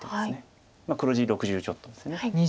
黒地６０ちょっとです。